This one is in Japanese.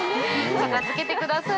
片付けてください。